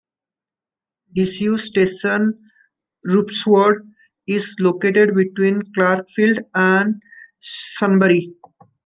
Disused station Rupertswood is located between Clarkefield and Sunbury.